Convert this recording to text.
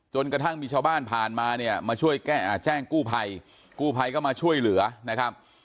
กระทั่งมีชาวบ้านผ่านมาเนี่ยมาช่วยแจ้งกู้ภัยกู้ภัยก็มาช่วยเหลือนะครับ